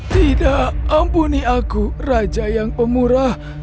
tidak ampuni aku raja yang pemurah